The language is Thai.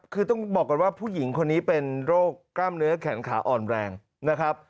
คือต้องบอกก่อนว่าผู้หญิงคนนี้เป็นโรคกล้ามเนื้อแขนขาอ่อนแรงนะครับ